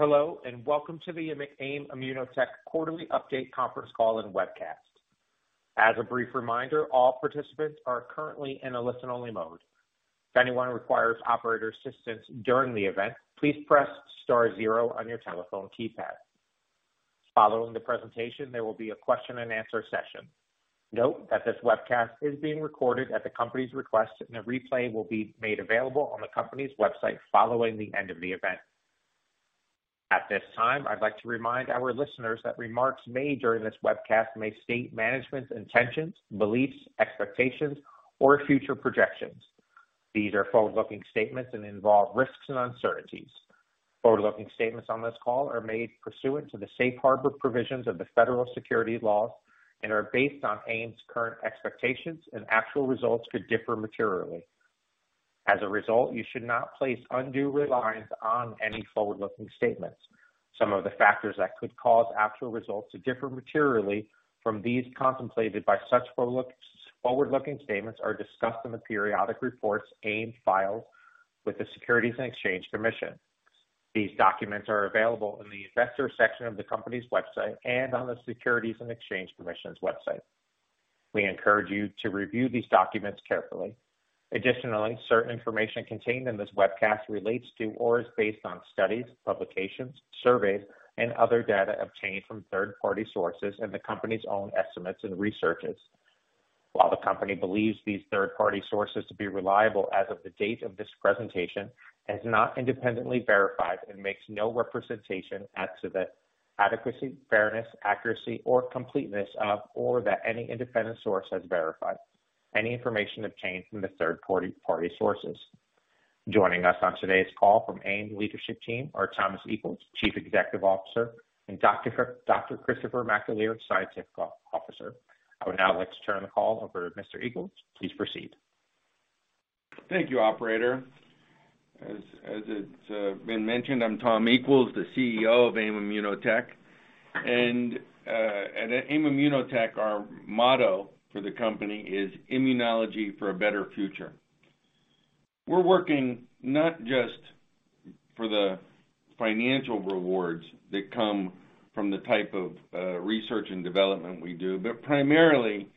Hello, and welcome to the AIM ImmunoTech quarterly update conference call and webcast. As a brief reminder, all participants are currently in a listen-only mode. If anyone requires operator assistance during the event, please press star zero on your telephone keypad. Following the presentation, there will be a question-and-answer session. Note that this webcast is being recorded at the company's request, and a replay will be made available on the company's website following the end of the event. At this time, I'd like to remind our listeners that remarks made during this webcast may state management's intentions, beliefs, expectations, or future projections. These are forward-looking statements and involve risks and uncertainties. Forward-looking statements on this call are made pursuant to the safe harbor provisions of the Federal Securities laws and are based on AIM's current expectations, and actual results could differ materially. As a result, you should not place undue reliance on any forward-looking statements. Some of the factors that could cause actual results to differ materially from these contemplated by such forward-looking statements are discussed in the periodic reports AIM files with the Securities and Exchange Commission. These documents are available in the Investors section of the company's website and on the Securities and Exchange Commission's website. We encourage you to review these documents carefully. Certain information contained in this webcast relates to or is based on studies, publications, surveys, and other data obtained from third-party sources and the company's own estimates and researches. While the company believes these third-party sources to be reliable as of the date of this presentation, has not independently verified and makes no representation as to the adequacy, fairness, accuracy, or completeness of, or that any independent source has verified any information obtained from the third-party sources. Joining us on today's call from AIM leadership team are Thomas Equels, Chief Executive Officer, and Dr. Christopher McAleer, Scientific Officer. I would now like to turn the call over to Mr. Equels. Please proceed. Thank you, operator. As it's been mentioned, I'm Thomas Equels, the CEO of AIM ImmunoTech. At AIM ImmunoTech, our motto for the company is Immunology for a Better Future. We're working not just for the financial rewards that come from the type of research and development we do, but primarily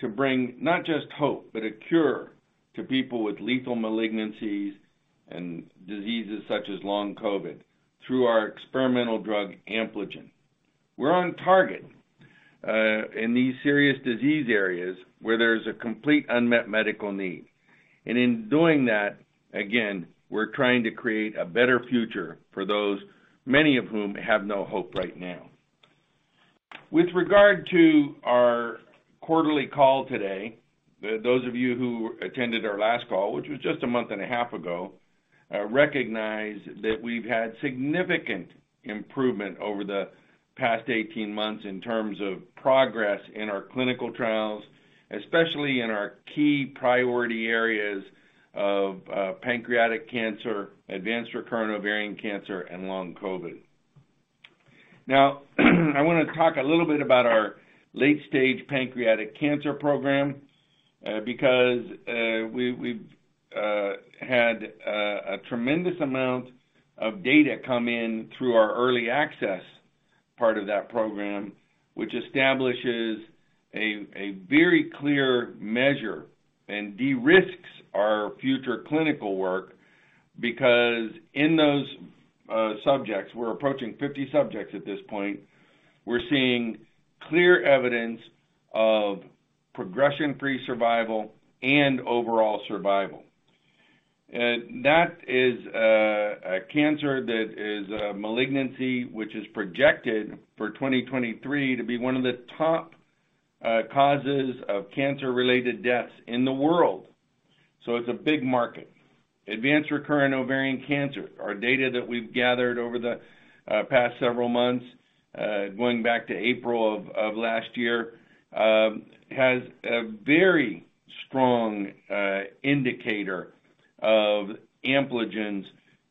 to bring not just hope, but a cure to people with lethal malignancies and diseases such as long COVID through our experimental drug, Ampligen. We're on target in these serious disease areas where there's a complete unmet medical need. In doing that, again, we're trying to create a better future for those, many of whom have no hope right now. With regard to our quarterly call today, those of you who attended our last call, which was just a month and a half ago, recognize that we've had significant improvement over the past 18 months in terms of progress in our clinical trials, especially in our key priority areas of pancreatic cancer, advanced recurrent ovarian cancer, and long COVID. I wanna talk a little bit about our late-stage pancreatic cancer program, because we've had a tremendous amount of data come in through our early access part of that program, which establishes a very clear measure and de-risks our future clinical work. Because in those subjects, we're approaching 50 subjects at this point, we're seeing clear evidence of progression-free survival and overall survival. Uh, that is, uh, a cancer that is a malignancy which is projected for twenty twenty-three to be one of the top, uh, causes of cancer-related deaths in the world. So it's a big market. Advanced recurrent ovarian cancer. Our data that we've gathered over the, uh, past several months, uh, going back to April of, of last year, um, has a very strong, uh, indicator of Ampligen's,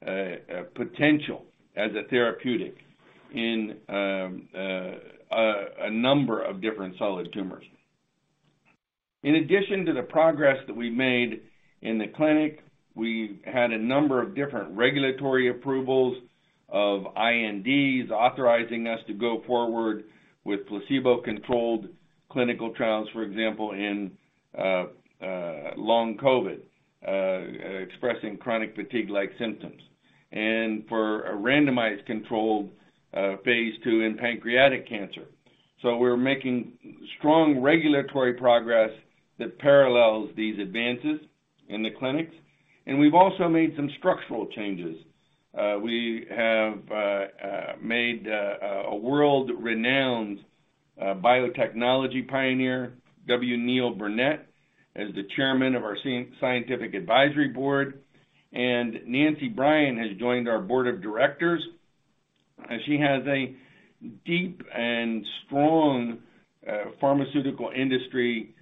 uh, uh, potential as a therapeutic in, um, uh, a number of different solid tumors. In addition to the progress that we made in the clinic, we've had a number of different regulatory approvals of INDs authorizing us to go forward with placebo-controlled clinical trials, for example, in, uh, uh, long COVID, uh, expressing chronic fatigue-like symptoms, and for a randomized controlled, uh, phase two in pancreatic cancer. We're making strong regulatory progress that parallels these advances in the clinics, and we've also made some structural changes. We have made a world-renowned biotechnology pioneer, W. Neil Burnett, as the chairman of our scientific advisory board, and Nancy Bryan has joined our board of directors. She has a deep and strong pharmaceutical industry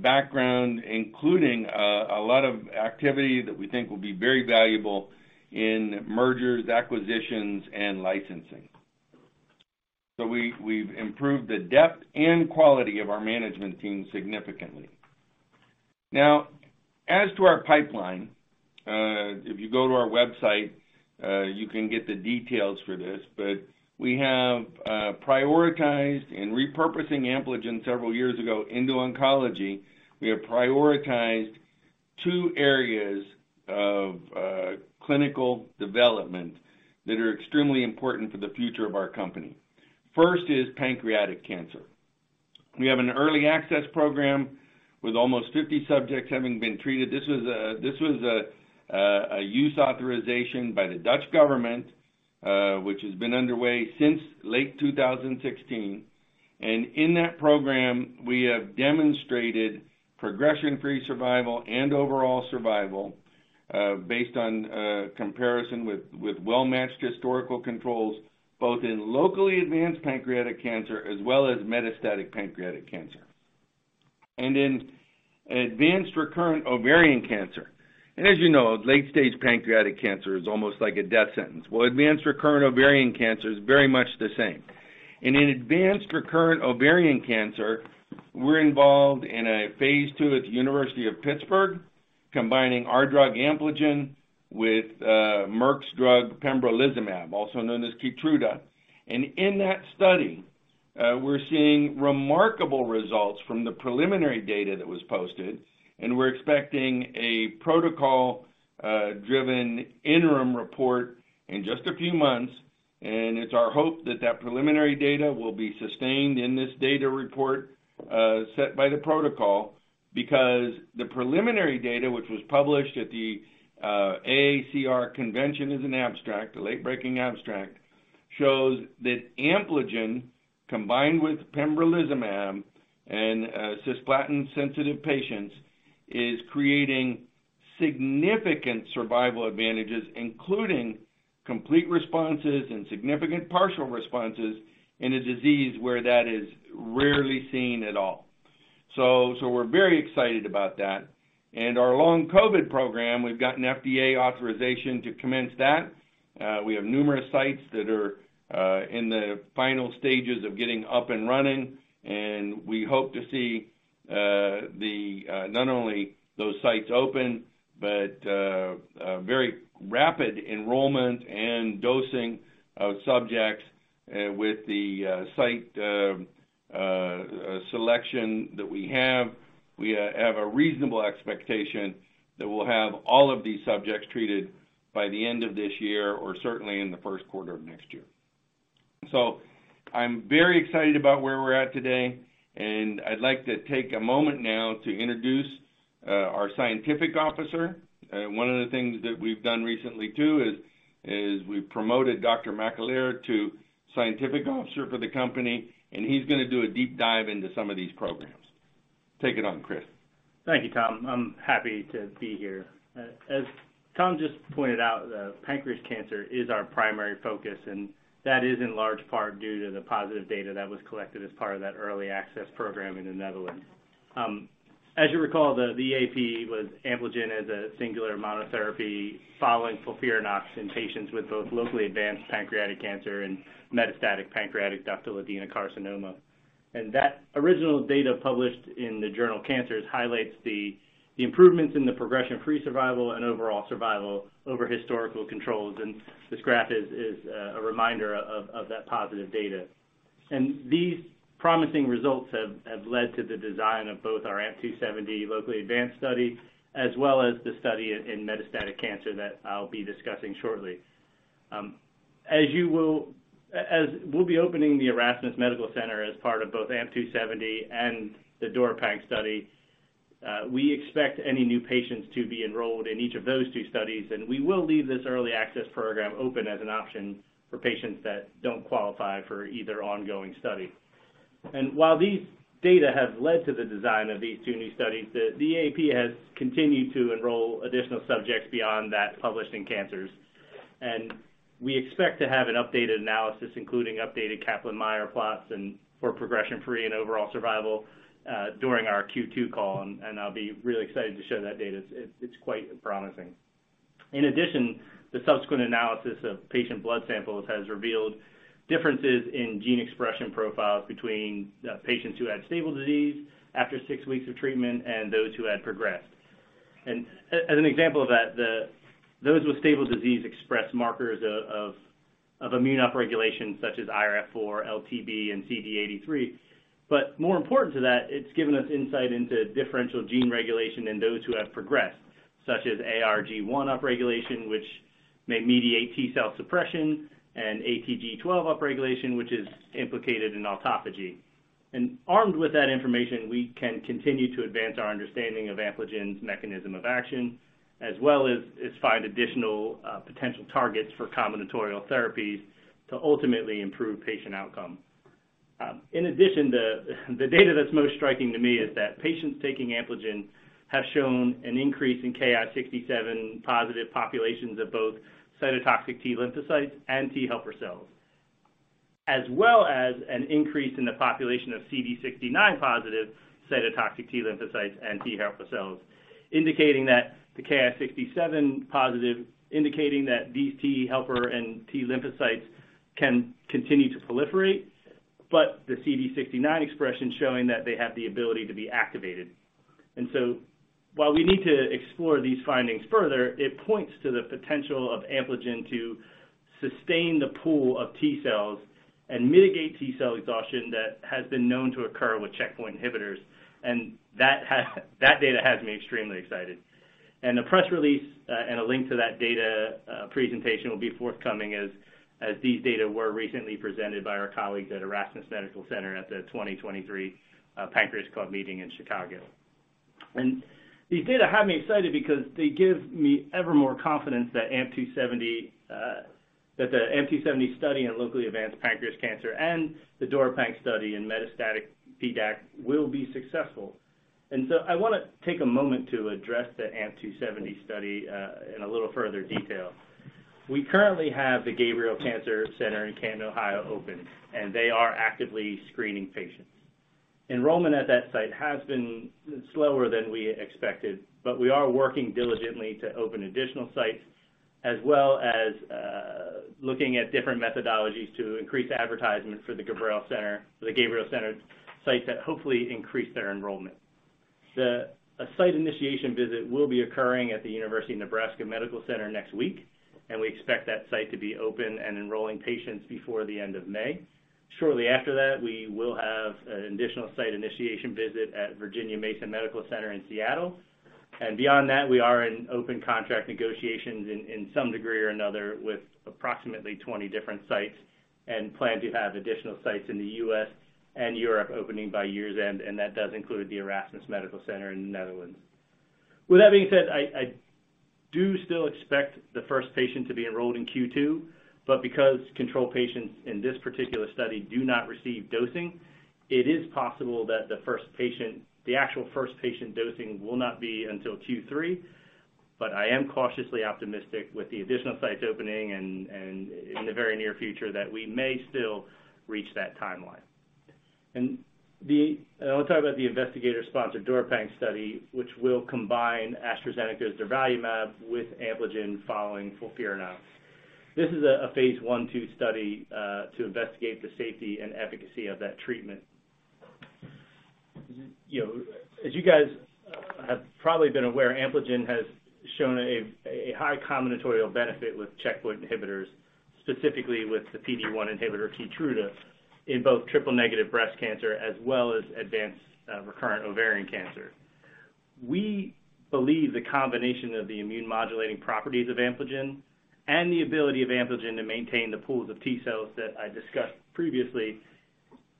background, including a lot of activity that we think will be very valuable in mergers, acquisitions, and licensing. We've improved the depth and quality of our management team significantly. As to our pipeline, if you go to our website, you can get the details for this, but we have prioritized in repurposing Ampligen several years ago into oncology. We have prioritized two areas of clinical development that are extremely important for the future of our company. First is pancreatic cancer. We have an early access program with almost 50 subjects having been treated. This was a use authorization by the Dutch government, which has been underway since late 2016. In that program, we have demonstrated progression-free survival and overall survival, based on comparison with well-matched historical controls, both in locally advanced pancreatic cancer as well as metastatic pancreatic cancer. In advanced recurrent ovarian cancer. As you know, late stage pancreatic cancer is almost like a death sentence. Well, advanced recurrent ovarian cancer is very much the same. In advanced recurrent ovarian cancer, we're involved in a phase II at the University of Pittsburgh, combining our drug Ampligen with Merck's drug pembrolizumab, also known as KEYTRUDA. In that study, we're seeing remarkable results from the preliminary data that was posted, and we're expecting a protocol-driven interim report in just a few months. It's our hope that that preliminary data will be sustained in this data report, set by the protocol, because the preliminary data, which was published at the AACR convention as an abstract, a late-breaking abstract, shows that Ampligen, combined with pembrolizumab in cisplatin-sensitive patients, is creating significant survival advantages, including complete responses and significant partial responses in a disease where that is rarely seen at all. We're very excited about that. Our long COVID program, we've gotten FDA authorization to commence that. We have numerous sites that are in the final stages of getting up and running, and we hope to see the not only those sites open, but a very rapid enrollment and dosing of subjects with the site selection that we have. We have a reasonable expectation that we'll have all of these subjects treated by the end of this year or certainly in the first quarter of next year. I'm very excited about where we're at today, and I'd like to take a moment now to introduce our Scientific Officer. One of the things that we've done recently too is we promoted Dr. McAleer to Scientific Officer for the company, and he's gonna do a deep dive into some of these programs. Take it on, Chris. Thank you, Tom. I'm happy to be here. As Tom just pointed out, pancreas cancer is our primary focus, and that is in large part due to the positive data that was collected as part of that early access program in the Netherlands. As you recall, the VAP was Ampligen as a singular monotherapy following FOLFIRINOX in patients with both locally advanced pancreatic cancer and metastatic pancreatic ductal adenocarcinoma. That original data published in the journal Cancers highlights the improvements in the progression-free survival and overall survival over historical controls. This graph is a reminder of that positive data. These promising results have led to the design of both our AMP-270 locally advanced study as well as the study in metastatic cancer that I'll be discussing shortly. As you will... As we'll be opening the Erasmus Medical Center as part of both AMP-270 and the DURIPANC study, we expect any new patients to be enrolled in each of those two studies, and we will leave this early access program open as an option for patients that don't qualify for either ongoing study. While these data have led to the design of these two new studies, the VAP has continued to enroll additional subjects beyond that published in Cancers. We expect to have an updated analysis, including updated Kaplan-Meier plots and for progression-free and overall survival, during our Q2 call, I'll be really excited to show that data. It's quite promising. In addition, the subsequent analysis of patient blood samples has revealed differences in gene expression profiles between patients who had stable disease after six weeks of treatment and those who had progressed. As an example of that, those with stable disease expressed markers of immune upregulation such as IRF4, LTB, and CD83. More important to that, it's given us insight into differential gene regulation in those who have progressed, such as ARG1 upregulation, which may mediate T cell suppression, and ATG12 upregulation, which is implicated in autophagy. Armed with that information, we can continue to advance our understanding of Ampligen's mechanism of action as well as find additional potential targets for combinatorial therapies to ultimately improve patient outcome. In addition, the data that's most striking to me is that patients taking Ampligen have shown an increase in KI67 positive populations of both cytotoxic T lymphocytes and T helper cells, as well as an increase in the population of CD69 positive cytotoxic T lymphocytes and T helper cells, indicating that these T helper and T lymphocytes can continue to proliferate, but the CD69 expression showing that they have the ability to be activated. While we need to explore these findings further, it points to the potential of Ampligen to sustain the pool of T cells and mitigate T cell exhaustion that has been known to occur with checkpoint inhibitors. That data has me extremely excited. The press release, and a link to that data presentation will be forthcoming as these data were recently presented by our colleagues at Erasmus MC at the 2023 Pancreas Club meeting in Chicago. These data have me excited because they give me ever more confidence that the AMP-270 study in locally advanced pancreas cancer and the DURIPANC study in metastatic PDAC will be successful. I wanna take a moment to address the AMP-270 study in a little further detail. We currently have the Gabrail Cancer Center in Canton, Ohio, open, and they are actively screening patients. Enrollment at that site has been slower than we expected, but we are working diligently to open additional sites as well as looking at different methodologies to increase advertisement for the Gabrail Cancer Center, the Gabrail Cancer Center sites that hopefully increase their enrollment. A site initiation visit will be occurring at the University of Nebraska Medical Center next week, and we expect that site to be open and enrolling patients before the end of May. Shortly after that, we will have an additional site initiation visit at Virginia Mason Medical Center in Seattle. Beyond that, we are in open contract negotiations in some degree or another with approximately 20 different sites and plan to have additional sites in the U.S. and Europe opening by year's end, and that does include the Erasmus Medical Center in the Netherlands. With that being said, I do still expect the first patient to be enrolled in Q2, because control patients in this particular study do not receive dosing, it is possible that the first patient, the actual first patient dosing will not be until Q3. I am cautiously optimistic with the additional sites opening and in the very near future that we may still reach that timeline. I wanna talk about the investigator-sponsored DURIPANC study, which will combine AstraZeneca's durvalumab with Ampligen following FOLFIRINOX. This is a phase I-2 study to investigate the safety and efficacy of that treatment. You know, as you guys have probably been aware, Ampligen has shown a high combinatorial benefit with checkpoint inhibitors, specifically with the PD-1 inhibitor KEYTRUDA, in both triple-negative breast cancer as well as advanced recurrent ovarian cancer. We believe the combination of the immune-modulating properties of Ampligen and the ability of Ampligen to maintain the pools of T cells that I discussed previously,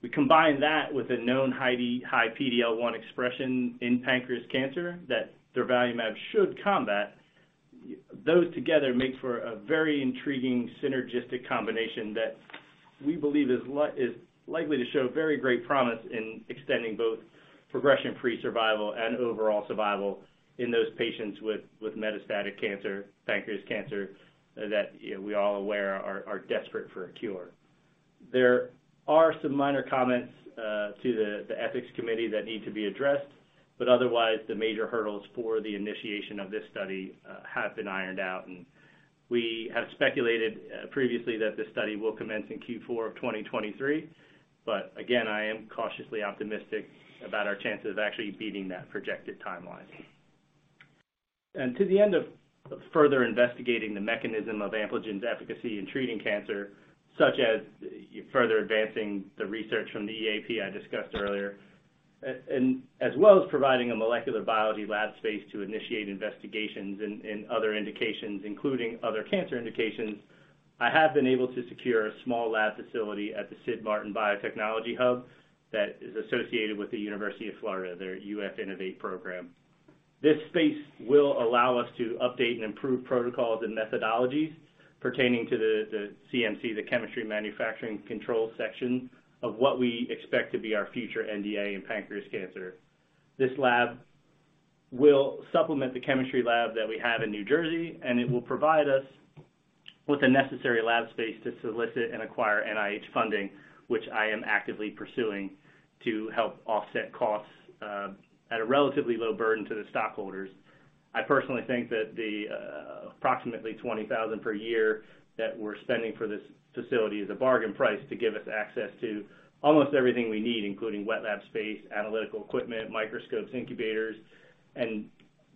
we combine that with a known high PD-L1 expression in pancreas cancer that durvalumab should combat. Those together make for a very intriguing synergistic combination that we believe is likely to show very great promise in extending both progression-free survival and overall survival in those patients with metastatic cancer, pancreas cancer, that, you know, we're all aware are desperate for a cure. There are some minor comments to the ethics committee that need to be addressed, but otherwise, the major hurdles for the initiation of this study have been ironed out. We have speculated previously that the study will commence in Q4 of 2023. Again, I am cautiously optimistic about our chances of actually beating that projected timeline. To the end of further investigating the mechanism of Ampligen's efficacy in treating cancer, such as further advancing the research from the EAP I discussed earlier, and as well as providing a molecular biology lab space to initiate investigations in other indications, including other cancer indications, I have been able to secure a small lab facility at the Sid Martin Biotechnology Hub that is associated with the University of Florida, their UF Innovate program. This space will allow us to update and improve protocols and methodologies pertaining to the CMC, the chemistry manufacturing control section of what we expect to be our future NDA in pancreas cancer. This lab will supplement the chemistry lab that we have in New Jersey. It will provide us with the necessary lab space to solicit and acquire NIH funding, which I am actively pursuing to help offset costs, at a relatively low burden to the stockholders. I personally think that the approximately $20,000 per year that we're spending for this facility is a bargain price to give us access to almost everything we need, including wet lab space, analytical equipment, microscopes, incubators, and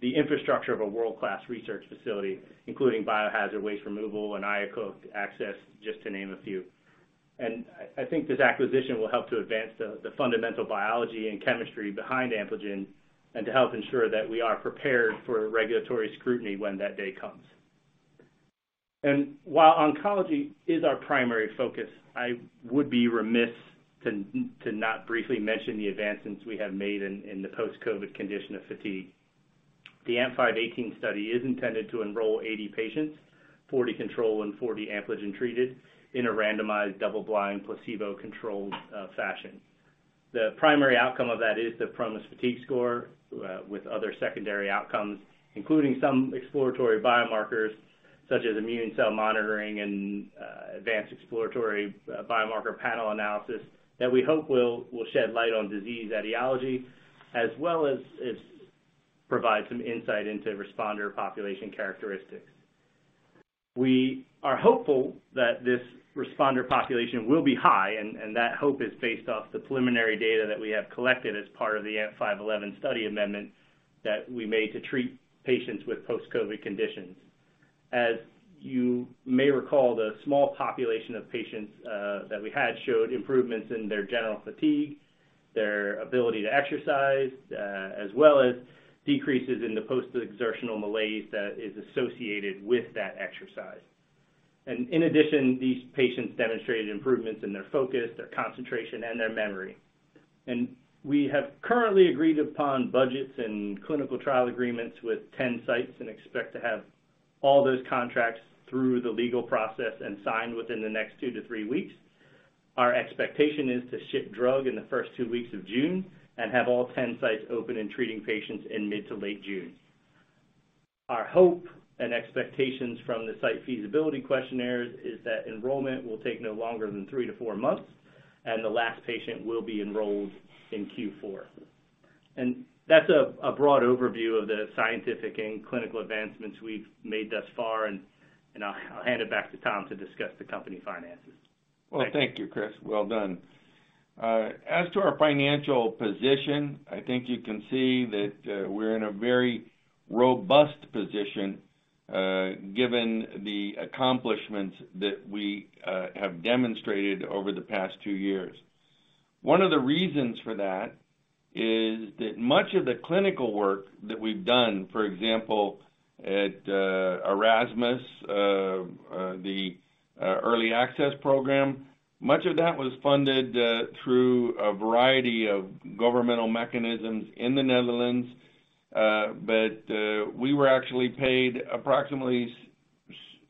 the infrastructure of a world-class research facility, including biohazard waste removal and IACUC access, just to name a few. I think this acquisition will help to advance the fundamental biology and chemistry behind Ampligen and to help ensure that we are prepared for regulatory scrutiny when that day comes. While oncology is our primary focus, I would be remiss to not briefly mention the advancements we have made in the Post-COVID Conditions of fatigue. The AMP-518 study is intended to enroll 80 patients, 40 control and 40 Ampligen-treated, in a randomized double-blind placebo-controlled fashion. The primary outcome of that is the PROMIS Fatigue Score, with other secondary outcomes, including some exploratory biomarkers, such as immune cell monitoring and advanced exploratory biomarker panel analysis that we hope will shed light on disease etiology as well as provide some insight into responder population characteristics. We are hopeful that this responder population will be high, and that hope is based off the preliminary data that we have collected as part of the AMP-511 study amendment that we made to treat patients with Post-COVID Conditions. As you may recall, the small population of patients that we had showed improvements in their general fatigue, their ability to exercise, as well as decreases in the post-exertional malaise that is associated with that exercise. In addition, these patients demonstrated improvements in their focus, their concentration, and their memory. We have currently agreed upon budgets and clinical trial agreements with 10 sites and expect to have all those contracts through the legal process and signed within the next two to three weeks. Our expectation is to ship drug in the first two weeks of June and have all 10 sites open and treating patients in mid to late June. Our hope and expectations from the site feasibility questionnaires is that enrollment will take no longer than three to four months, and the last patient will be enrolled in Q4. That's a broad overview of the scientific and clinical advancements we've made thus far, and I'll hand it back to Tom to discuss the company finances. Well, thank you, Chris. Well done. As to our financial position, I think you can see that we're in a very robust position, given the accomplishments that we have demonstrated over the past two years. One of the reasons for that is that much of the clinical work that we've done, for example, at Erasmus, the early access program, much of that was funded through a variety of governmental mechanisms in the Netherlands, but we were actually paid approximately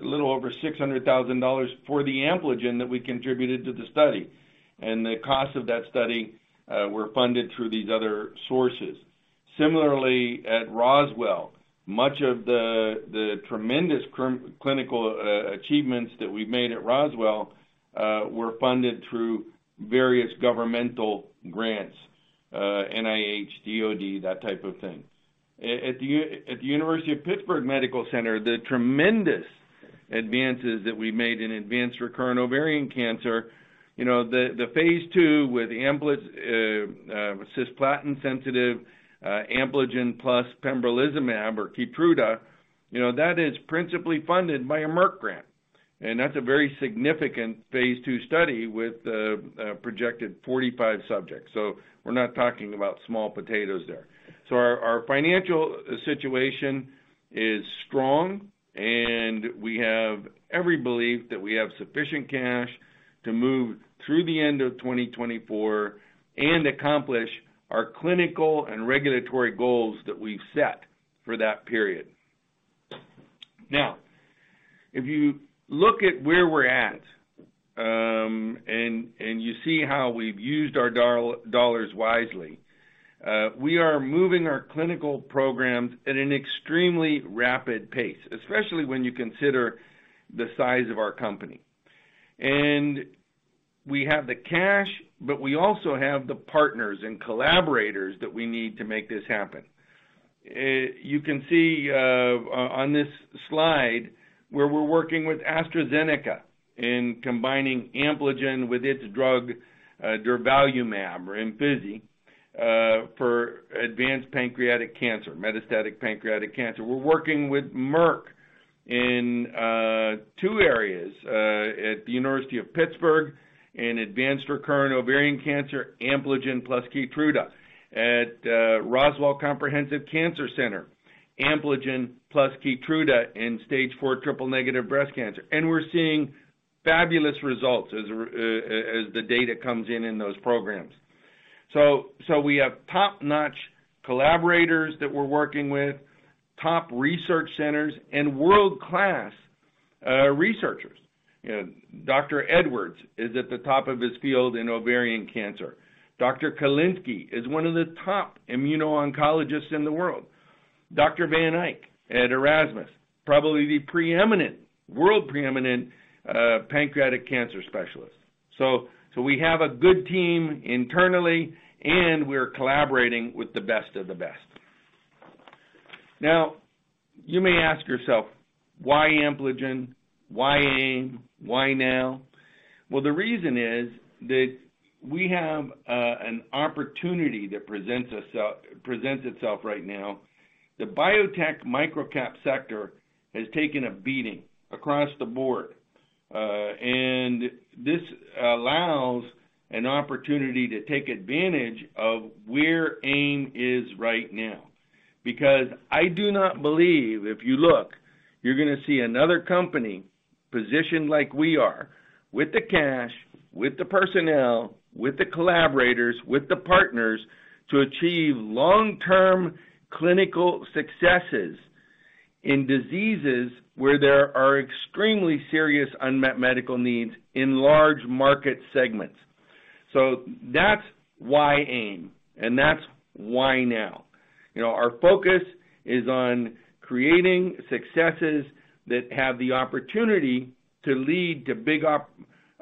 a little over $600,000 for the Ampligen that we contributed to the study. The costs of that study were funded through these other sources. Similarly, at Roswell, much of the tremendous clinical achievements that we've made at Roswell, were funded through various governmental grants, NIH, DOD, that type of thing. At the University of Pittsburgh Medical Center, the tremendous advances that we made in advanced recurrent ovarian cancer, you know, the phase II with cisplatin-sensitive Ampligen plus pembrolizumab or KEYTRUDA, you know, that is principally funded by a Merck grant. That's a very significant phase II study with a projected 45 subjects. We're not talking about small potatoes there. Our financial situation is strong, and we have every belief that we have sufficient cash to move through the end of 2024 and accomplish our clinical and regulatory goals that we've set for that period. If you look at where we're at, and you see how we've used our dollars wisely, we are moving our clinical programs at an extremely rapid pace, especially when you consider the size of our company. We have the cash, but we also have the partners and collaborators that we need to make this happen. You can see on this slide where we're working with AstraZeneca in combining Ampligen with its drug, durvalumab or IMFINZI, for advanced pancreatic cancer, metastatic pancreatic cancer. We're working with Merck in two areas at the University of Pittsburgh in advanced recurrent ovarian cancer, Ampligen plus KEYTRUDA. At Roswell Comprehensive Cancer Center, Ampligen plus KEYTRUDA in stage four triple negative breast cancer. We're seeing fabulous results as the data comes in in those programs. We have top-notch collaborators that we're working with, top research centers, and world-class researchers. You know, Dr. Edwards is at the top of his field in ovarian cancer. Dr. Kalinski is one of the top immuno-oncologists in the world. Dr. van Eijck at Erasmus MC, probably the preeminent, world preeminent, pancreatic cancer specialist. We have a good team internally, and we're collaborating with the best of the best. Now, you may ask yourself, "Why Ampligen? Why Aim? Why now?" Well, the reason is that we have an opportunity that presents itself right now. The biotech microcap sector has taken a beating across the board, and this allows an opportunity to take advantage of where Aim is right now. Because I do not believe if you look, you're gonna see another company positioned like we are with the cash, with the personnel, with the collaborators, with the partners to achieve long-term clinical successes in diseases where there are extremely serious unmet medical needs in large market segments. That's why Aim, and that's why now. You know, our focus is on creating successes that have the opportunity to lead to big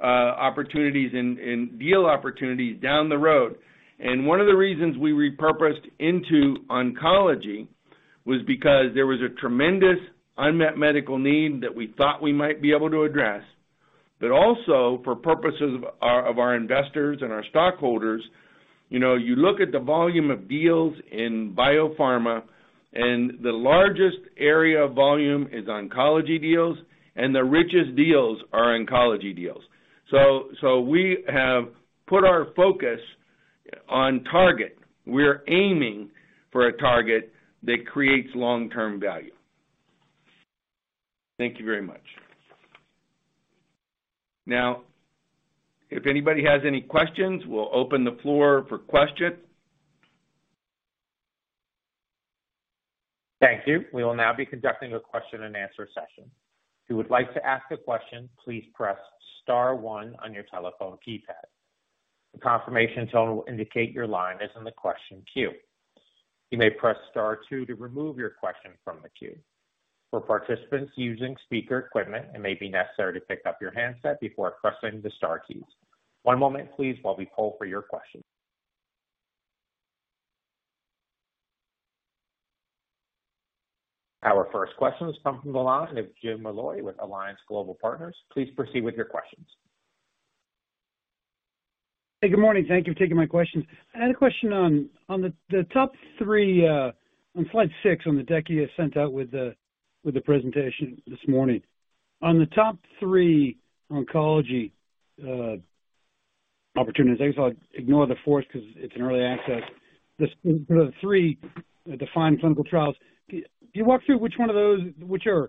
opportunities and deal opportunities down the road. One of the reasons we repurposed into oncology was because there was a tremendous unmet medical need that we thought we might be able to address, but also for purposes of our, of our investors and our stockholders. You know, you look at the volume of deals in biopharma, the largest area of volume is oncology deals, and the richest deals are oncology deals. We have put our focus on target. We're aiming for a target that creates long-term value. Thank you very much. If anybody has any questions, we'll open the floor for questions. Thank you. We will now be conducting a question-and-answer session. If you would like to ask a question, please press star one on your telephone keypad. The confirmation tone will indicate your line is in the question queue. You may press star two to remove your question from the queue. For participants using speaker equipment, it may be necessary to pick up your handset before pressing the star keys. One moment please while we poll for your questions. Our first question is coming to the line of Jim Molloy with Alliance Global Partners. Please proceed with your questions. Hey, good morning. Thank you for taking my questions. I had a question on the top three on slide six, on the deck you had sent out with the presentation this morning. On the top three oncology opportunities, I guess I'll ignore the fourth because it's an early access. For the three defined clinical trials, can you walk through which one of those, which of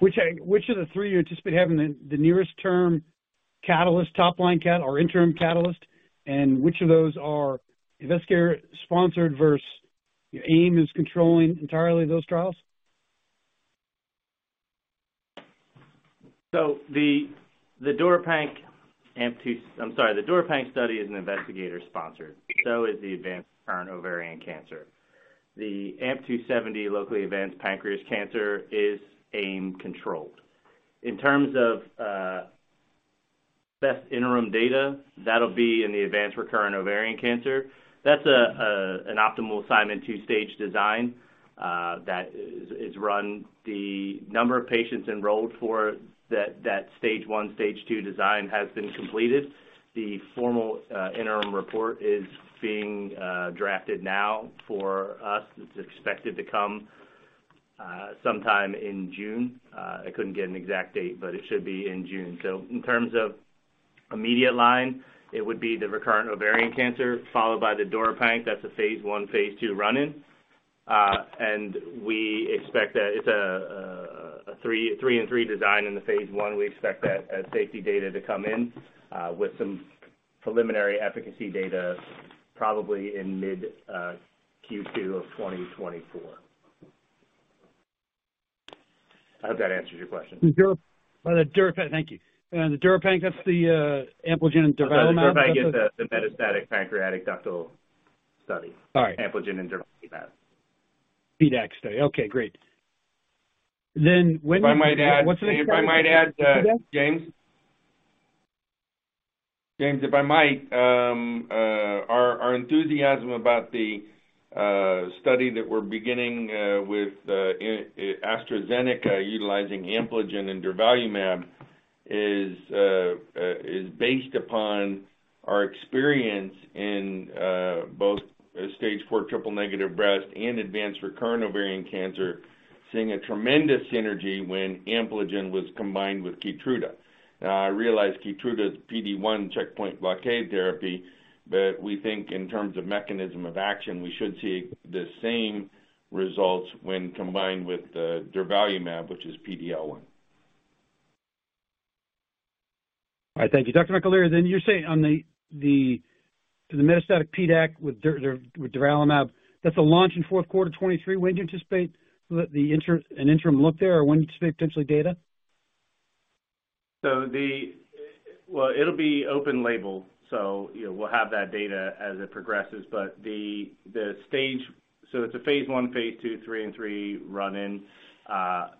the three you anticipate having the nearest term catalyst, top line or interim catalyst, and which of those are investigator sponsored versus your AIM is controlling entirely those trials? The DURIPANC study is an investigator-sponsored, so is the advanced recurrent ovarian cancer. The AMP-270 locally advanced pancreas cancer is AIM controlled. In terms of best interim data, that'll be in the advanced recurrent ovarian cancer. That's an optimal assignment two-stage design that is run. The number of patients enrolled for that stage 1, stage 2 design has been completed. The formal interim report is being drafted now for us. It's expected to come sometime in June. I couldn't get an exact date, but it should be in June. In terms of immediate line, it would be the recurrent ovarian cancer, followed by the DURIPANC. That's a phase I, phase II run-in. And we expect that it's a three, a three-and-three design in the phase I. We expect that safety data to come in with some preliminary efficacy data probably in mid Q2 of 2024. I hope that answers your question. Thank you. The DURIPANC, that's the Ampligen and durvalumab study? DURIPANC is the metastatic pancreatic ductal study. All right. Ampligen and durvalumab. PDAC study. Okay, great. If I might add What's the next? If I might add, James? James, if I might, our enthusiasm about the study that we're beginning, with AstraZeneca utilizing Ampligen and durvalumab is based upon our experience in both stage 4 triple negative breast and advanced recurrent ovarian cancer, seeing a tremendous synergy when Ampligen was combined with KEYTRUDA. I realize KEYTRUDA's PD-1 checkpoint blockade therapy, but we think in terms of mechanism of action, we should see the same results when combined with durvalumab, which is PD-L1. All right. Thank you. Dr. McAleer, you're saying on the metastatic PDAC with durvalumab, that's a launch in fourth quarter 2023. When do you anticipate an interim look there, or when do you anticipate potentially data? Well, it'll be open label, so, you know, we'll have that data as it progresses. It's a phase I, phase II, three-and-three run-in. I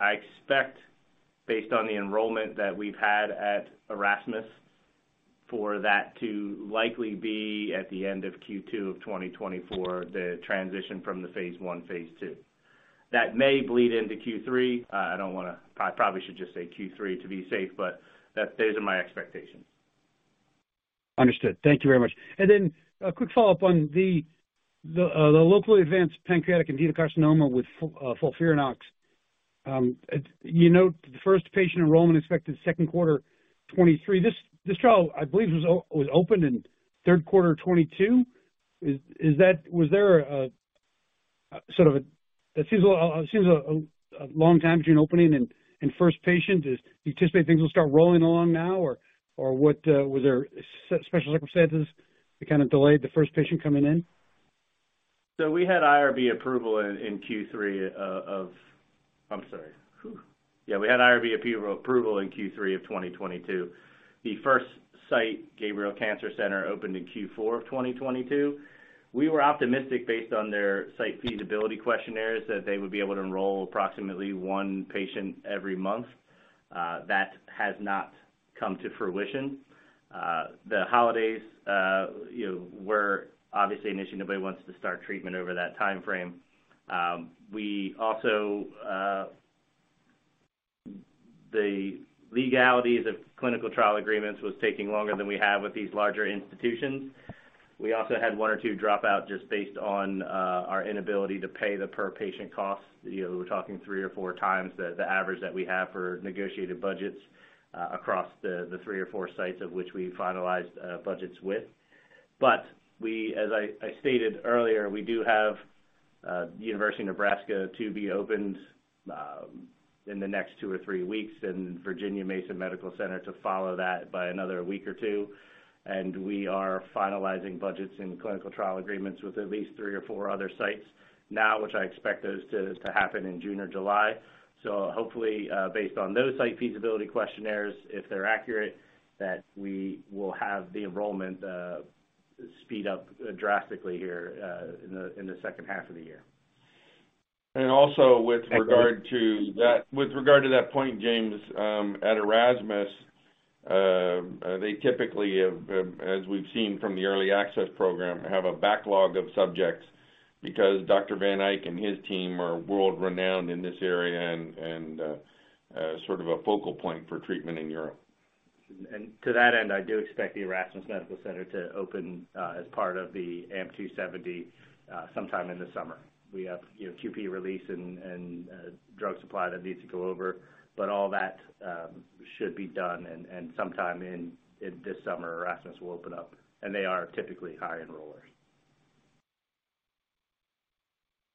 expect based on the enrollment that we've had at Erasmus for that to likely be at the end of Q2 of 2024, the transition from the phase I, phase II. That may bleed into Q3. I probably should just say Q3 to be safe, those are my expectations. Understood. Thank you very much. Then a quick follow-up on the locally advanced pancreatic adenocarcinoma with FOLFIRINOX. You note the first patient enrollment expected second quarter 2023. This trial, I believe, was opened in third quarter 2022. Was there a sort of a... It seems a lot, it seems a long time between opening and first patient. Do you anticipate things will start rolling along now or what, was there special circumstances that kind of delayed the first patient coming in? I'm sorry. We had IRB approval in Q3 of 2022. The first site, Gabrail Cancer Center, opened in Q4 of 2022. We were optimistic based on their site feasibility questionnaires that they would be able to enroll approximately one patient every month. That has not come to fruition. The holidays, you know, we're obviously an issue. Nobody wants to start treatment over that timeframe. We also the legalities of clinical trial agreements was taking longer than we have with these larger institutions. We also had one or two drop out just based on our inability to pay the per patient cost. You know, we're talking 3x or 4x the average that we have for negotiated budgets, across the three or four sites of which we finalized, budgets with. We, as I stated earlier, we do have University of Nebraska to be opened in the next two or three weeks, and Virginia Mason Medical Center to follow that by another week or two. We are finalizing budgets and clinical trial agreements with at least three or four other sites now, which I expect those to happen in June or July. Hopefully, based on those site feasibility questionnaires, if they're accurate, that we will have the enrollment speed up drastically here, in the second half of the year. With regard to that, with regard to that point, James, at Erasmus, they typically have, as we've seen from the early access program, have a backlog of subjects because Casper van Eijck and his team are world-renowned in this area and sort of a focal point for treatment in Europe. To that end, I do expect the Erasmus MC to open, as part of the AMP-270, sometime in the summer. We have, you know, QP release and drug supply that needs to go over, but all that should be done and sometime in this summer, Erasmus will open up, and they are typically high enrollers.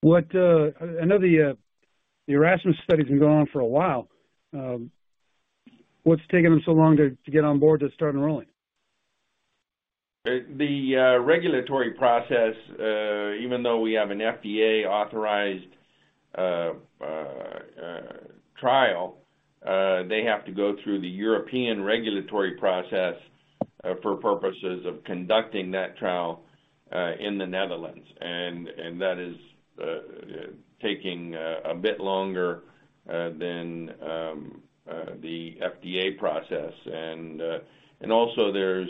What I know the Erasmus study has been going on for a while. What's taking them so long to get on board to start enrolling? The regulatory process, even though we have an FDA-authorized trial, they have to go through the European regulatory process for purposes of conducting that trial in the Netherlands. That is taking a bit longer than the FDA process. Also there's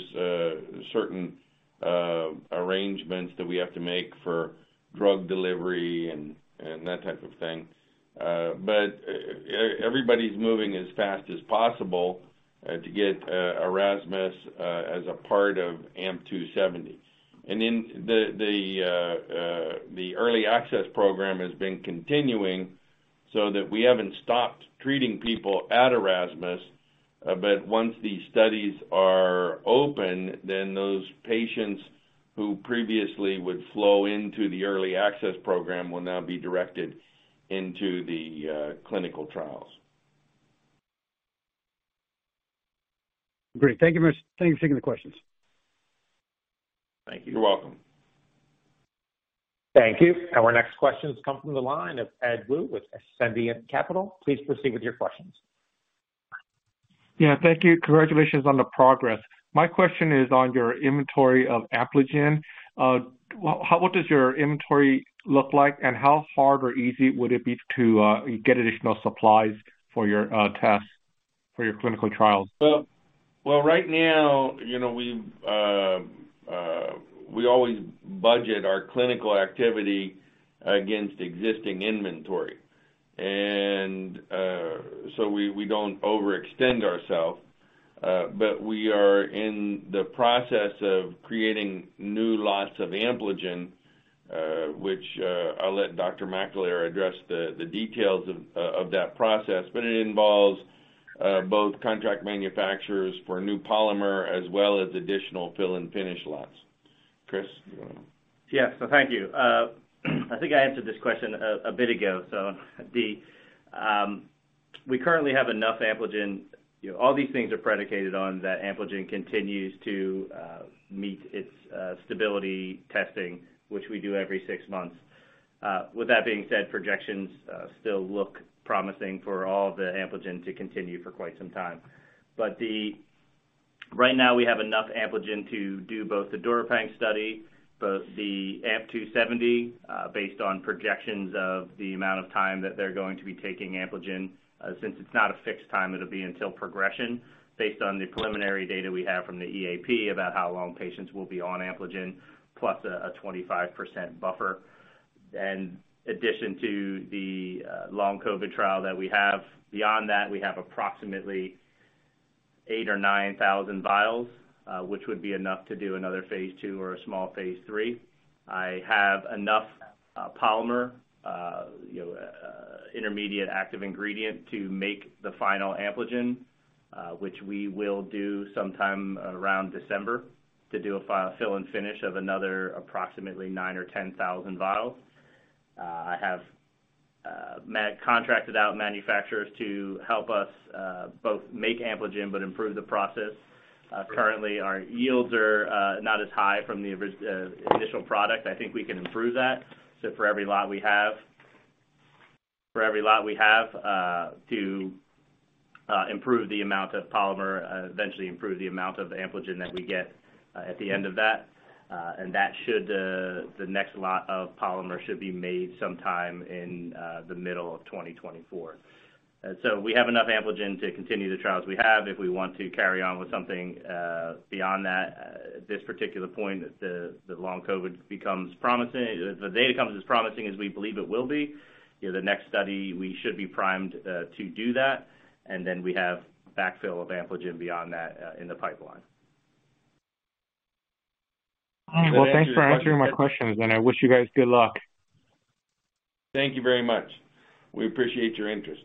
certain arrangements that we have to make for drug delivery and that type of thing. Everybody's moving as fast as possible to get Erasmus as a part of AMP-270. In the early access program has been continuing so that we haven't stopped treating people at Erasmus. Once these studies are open, then those patients who previously would flow into the early access program will now be directed into the clinical trials. Great. Thank you very much. Thank you for taking the questions. Thank you. You're welcome. Thank you. Our next question comes from the line of Edward Woo with Ascendiant Capital. Please proceed with your questions. Yeah, thank you. Congratulations on the progress. My question is on your inventory of Ampligen. What does your inventory look like, and how hard or easy would it be to get additional supplies for your tests for your clinical trials? Well, right now, you know, we always budget our clinical activity against existing inventory, and so we don't overextend ourself. We are in the process of creating new lots of Ampligen, which I'll let Dr. McAleer address the details of that process, but it involves both contract manufacturers for new polymer as well as additional fill-and-finish lots. Chris, you wanna. Yeah. Thank you. The, we currently have enough Ampligen... You know, all these things are predicated on that Ampligen continues to meet its stability testing, which we do every six months. With that being said, projections still look promising for all the Ampligen to continue for quite some time. The... Right now, we have enough Ampligen to do both the DURIPANC study, both the AMP-270, based on projections of the amount of time that they're going to be taking Ampligen, since it's not a fixed time, it'll be until progression based on the preliminary data we have from the EAP about how long patients will be on Ampligen, plus a 25% buffer. Addition to the long COVID trial that we have. Beyond that, we have approximately 8,000 or 9,000 vials, which would be enough to do another phase II or a small phase III. I have enough polymer, you know, intermediate active ingredient to make the final Ampligen, which we will do sometime around December to do a fill and finish of another approximately 9,000 or 10,000 vials. I have contracted out manufacturers to help us both make Ampligen but improve the process. Currently, our yields are not as high from the initial product. I think we can improve that. For every lot we have, to improve the amount of polymer and eventually improve the amount of Ampligen that we get at the end of that. That should, the next lot of polymer should be made sometime in the middle of 2024. We have enough Ampligen to continue the trials we have if we want to carry on with something beyond that. At this particular point, the long COVID becomes promising if the data comes as promising as we believe it will be, you know, the next study, we should be primed to do that. We have backfill of Ampligen beyond that in the pipeline. Well, thanks for answering my questions, and I wish you guys good luck. Thank you very much. We appreciate your interest.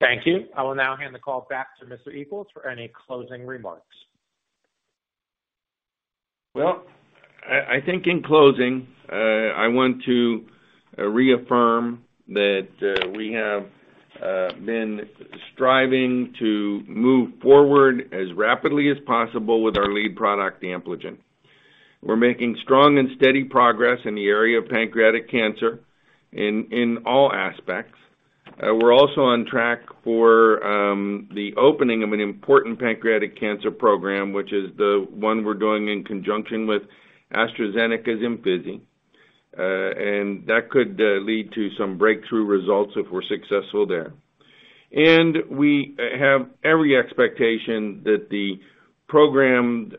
Thank you. I will now hand the call back to Mr. Equels for any closing remarks. Well, I think in closing, I want to reaffirm that we have been striving to move forward as rapidly as possible with our lead product, Ampligen. We're making strong and steady progress in the area of pancreatic cancer in all aspects. We're also on track for the opening of an important pancreatic cancer program, which is the one we're doing in conjunction with AstraZeneca's IMFINZI. That could lead to some breakthrough results if we're successful there. We have every expectation that the programmed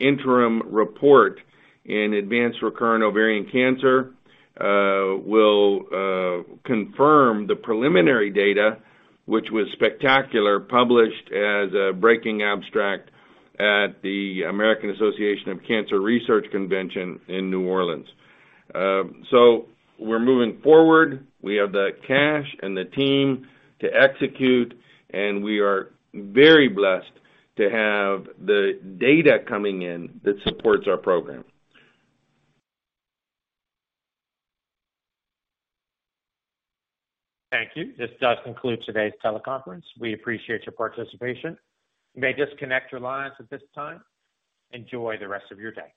interim report in advanced recurrent ovarian cancer will confirm the preliminary data, which was spectacular, published as a breaking abstract at the American Association of Cancer Research Convention in New Orleans. We're moving forward. We have the cash and the team to execute, and we are very blessed to have the data coming in that supports our program. Thank you. This does conclude today's teleconference. We appreciate your participation. You may disconnect your lines at this time. Enjoy the rest of your day.